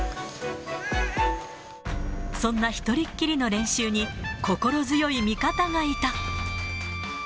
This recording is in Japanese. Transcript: そんな１人っきりの練習に心強い味方がいた。